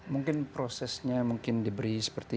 mungkin prosesnya mungkin diberi seperti